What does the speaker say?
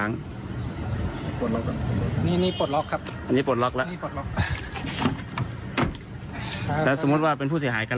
อันนี้กดปุ่มล็อกแล้วนะครับ